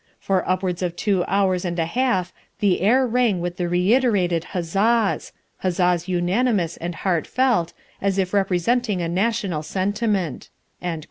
For upwards of two hours and a half the air rang with the reiterated huzzas huzzas unanimous and heart felt, as if representing a national sentiment."